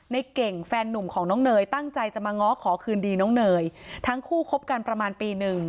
ในเก่งแฟนนุ่มของน้องเนยตั้งใจจะมาง้อขอคืนดีน้องเนยทั้งคู่คบกันประมาณปีหนึ่ง